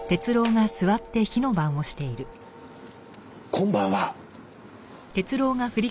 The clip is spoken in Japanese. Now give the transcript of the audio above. こんばんは。